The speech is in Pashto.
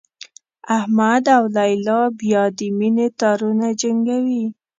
احمد او لیلا بیا د مینې تارونه جنګوي.